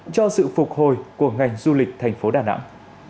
cho sự phục hồi của ngành du lịch thành phố đà nẵng